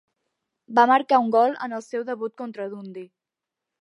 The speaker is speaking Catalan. Va marcar un gol en el seu debut contra Dundee.